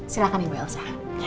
silahkan ibu elsa